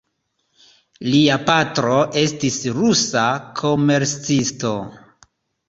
Lia patro estis rusa komercisto.